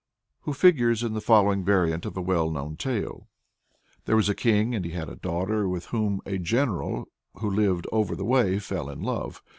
who figures in the following variant of a well known tale. There was a king, and he had a daughter with whom a general who lived over the way fell in love.